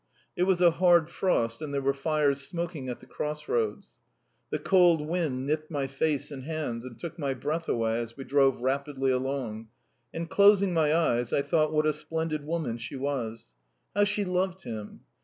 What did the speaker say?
It was a hard frost and there were fires smoking at the cross roads. The cold wind nipped my face and hands, and took my breath away as we drove rapidly along; and, closing my eyes, I thought what a splendid woman she was. How she loved him!